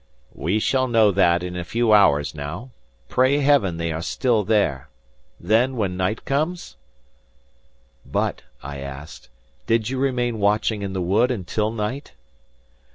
"We shall know about that in a few hours, now. Pray Heaven they are still there! Then when night comes?" "But," I asked, "did you remain watching in the wood until night?"